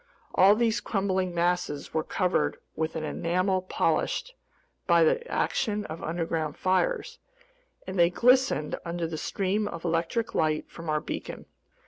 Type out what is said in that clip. All these crumbling masses were covered with an enamel polished by the action of underground fires, and they glistened under the stream of electric light from our beacon.